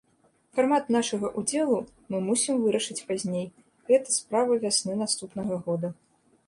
Фармат нашага ўдзелу мы мусім вырашыць пазней, гэта справа вясны наступнага года.